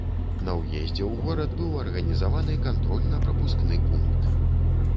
На ўездзе ў горад быў арганізаваны кантрольна-прапускны пункт.